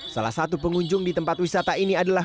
salah satu pengunjung di tempat wisata ini adalah